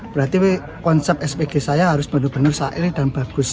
berarti konsep spg saya harus benar benar sair dan bagus